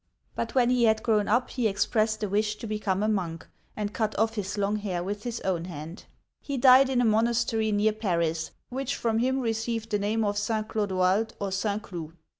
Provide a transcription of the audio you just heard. But when he had grown up, he expressed a wish to become a monk, and cut off his long hair with his own hand. He died in a monastery near Paris, which from him received the name of (St. Clodoald, or) St. Cloud (sSn cloo').